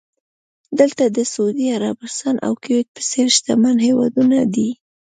دلته د سعودي عربستان او کوېټ په څېر شتمن هېوادونه دي.